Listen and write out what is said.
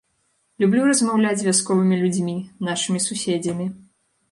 Люблю размаўляць з вясковымі людзьмі, нашымі суседзямі.